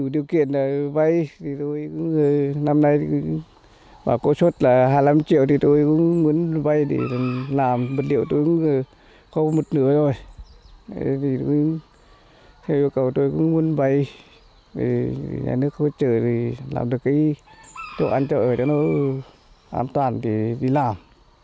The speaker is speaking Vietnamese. theo yêu cầu tôi cũng muốn vay để nhà nước hỗ trợ làm được cái chỗ ăn chợ ở đó nó an toàn để đi làm